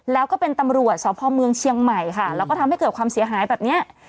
แล้วก็เป็นตำรวจสพเมืองเชียงใหม่ค่ะแล้วก็ทำให้เกิดความเสียหายแบบเนี้ย